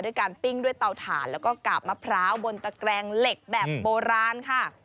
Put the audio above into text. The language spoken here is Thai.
การปิ้งด้วยเตาถ่านแล้วก็กาบมะพร้าวบนตะแกรงเหล็กแบบโบราณค่ะ